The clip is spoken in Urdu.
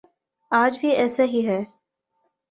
آج بھی ایسا ہی ہے۔